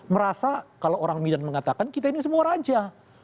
merasa kalau orang medan mengatakan kita ini semua raja